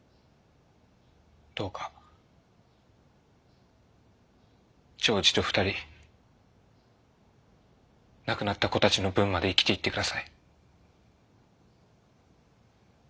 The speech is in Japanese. どうか長次と２人亡くなった子たちの分まで生きていって下さい。